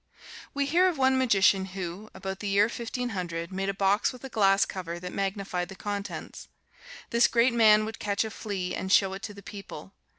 We hear of one magician who, about the year Fifteen Hundred, made a box with a glass cover that magnified the contents. This great man would catch a flea and show it to the people.